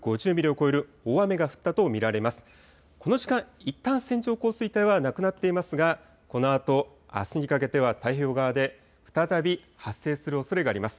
この時間、いったん線状降水帯はなくなっていますがこのあと、あすにかけては太平洋側で再び発生するおそれがあります。